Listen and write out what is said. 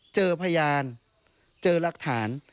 เจอพยานเจอรักฐาน